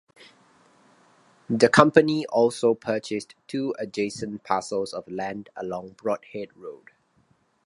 The company also purchased two adjacent parcels of land along Brodhead Road.